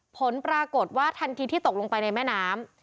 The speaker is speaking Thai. ผลปรากฏว่าทันทีที่ตกลงไปในแม่น้ำ